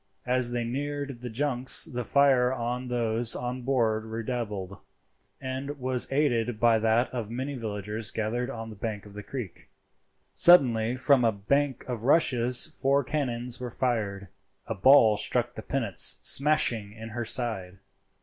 As they neared the junks the fire of those on board redoubled, and was aided by that of many villagers gathered on the bank of the creek. Suddenly from a bank of rushes four cannons were fired. A ball struck the pinnace, smashing in her side.